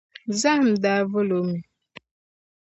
Zahim daa vali o mi.